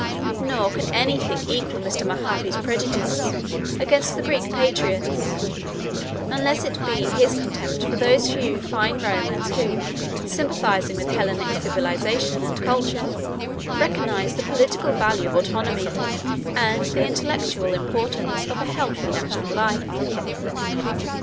Nor can anything equal Mr. Mahaffy's prejudice against the Greek patriots, unless it be his contempt for those few fine Romans who, sympathising with Hellenic civilisation and culture, recognised the political value of autonomy and the intellectual importance of a healthy national life.